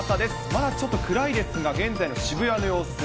まだちょっと暗いですが、現在の渋谷の様子。